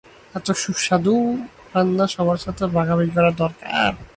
এত সুস্বাদু রান্না সবার সাথে ভাগাভাগি করা দরকার।